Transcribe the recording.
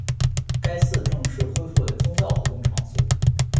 该寺正式恢复为宗教活动场所。